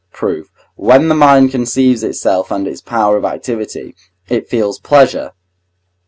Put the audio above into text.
Proof. When the mind conceives itself and its power of activity, it feels pleasure (III.